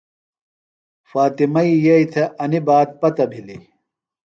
فاطمئی یئی تھےۡ انیۡ بات پتہ بِھلیۡ۔